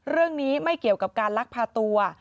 เรื่องนี้ไม่เกี่ยวกับการลักพาตัว